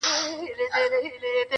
چي خپل ځان یې د خاوند په غېږ کي ورکړ٫